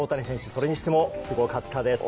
それにしてもすごかったです。